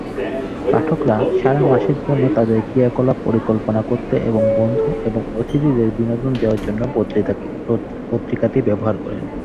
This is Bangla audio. পাঠকরা "সারা মাসের জন্য তাদের ক্রিয়াকলাপ পরিকল্পনা করতে এবং বন্ধু এবং অতিথিদের বিনোদন দেওয়ার জন্য পত্রিকাটি ব্যবহার করেন।"